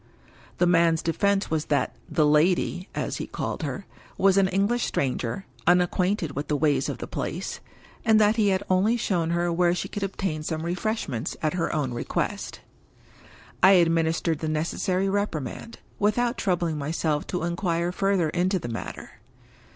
The man's defense was that "the lady" (as he called her) was an English stranger, unacquainted with the ways of the place, and that he had only shown her where she could obtain some refreshments at her own request. I administered the necessary reprimand, without troubling myself to inquire further into the matter.